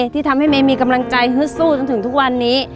ที่ทำให้เมย์มีกำลังใจฮึดสู้จนถึงทุกวันนี้